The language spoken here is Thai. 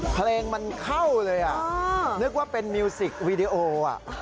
เพลงมันเข้าเลยอ่ะนึกว่าเป็นมิวสิกวีดีโออ่ะ